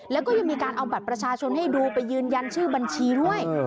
แล้วก็ยังมีการเอาบัตรประชาชนให้ดูไปยืนยันชื่อบัญชีด้วย